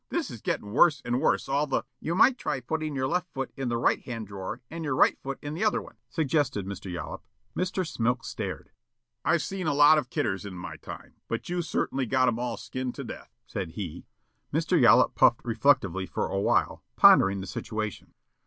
This is gettin' worse and worse all the " "You might try putting your left foot in the right hand drawer and your right foot in the other one," suggested Mr. Yollop. Mr. Smilk stared. "I've seen a lot of kidders in my time, but you certainly got 'em all skinned to death," said he. Mr. Yollop puffed reflectively for awhile, pondering the situation.